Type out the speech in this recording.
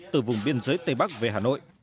từ vùng biên giới tây bắc về hà nội